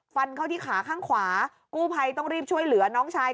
ฟันเข้าที่ขาข้างขวากู้ภัยต้องรีบช่วยเหลือน้องชาย